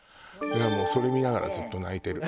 もうそれ見ながらずっと泣いてる。